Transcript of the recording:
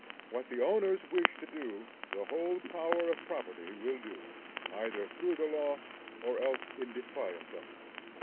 What the owners wish to do, the whole power of property will do, either through the law or else in defiance of it.